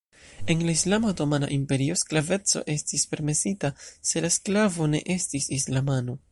En la islama otomana imperio sklaveco estis permesita, se la sklavo ne estis islamano.